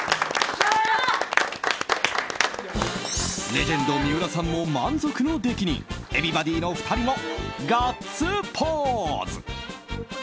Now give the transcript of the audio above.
レジェンド三浦さんも満足の出来にＥｖｅｒｂｏｄｙの２人もガッツポーズ！